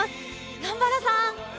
南原さん。